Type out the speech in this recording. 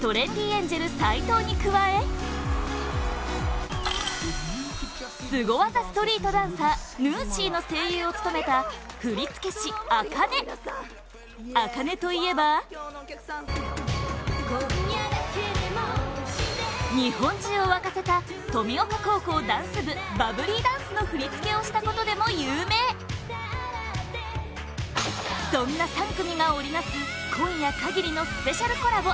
エンジェル斎藤に加えスゴ技ストリートダンサーヌーシーの声優を務めた振付師、ａｋａｎｅａｋａｎｅといえば日本中を沸かせた登美丘高校ダンス部バブリーダンスの振り付けをしたことでも有名そんな３組が織り成す今夜限りのスペシャルコラボ